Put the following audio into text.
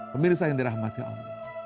pemirsa yang dirahmati allah